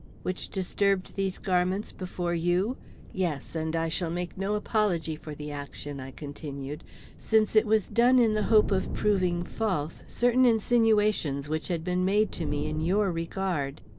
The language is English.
"Which disturbed these garments before you? Yes. And I shall make no apology for the action," I continued, "since it was done in the hope of proving false certain insinuations which had been made to me in your regard."